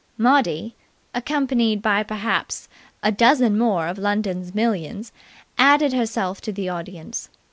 Maudie, accompanied by perhaps a dozen more of London's millions, added herself to the audience.